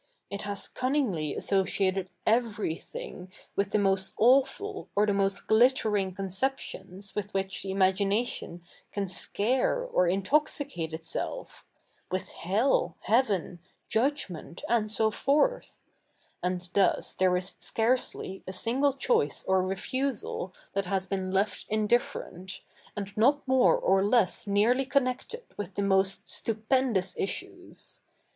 It has cunningly asso ciated everything with the most awful or the most glitteri?ig conceptions with which the ij?iagi?iation can sca7'e or intoxi cate itself — with Hell, Heaven, Judgment, and so forth : and thus there is scarcely a single choice or refusal that has bee?i left indifferent, and not more or less nearly coimected with the most stupendous issues.